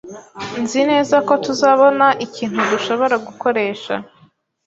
Nzi neza ko tuzabona ikintu dushobora gukoresha.